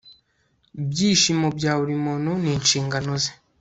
Ibyishimo bya buri muntu ni inshingano ze